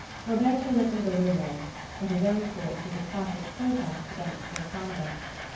Roberto let them go their way, but his own course was a tacit protest against their conduct.